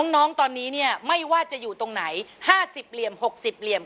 น้องตอนนี้เนี่ยไม่ว่าจะอยู่ตรงไหน๕๐เหลี่ยม๖๐เหลี่ยม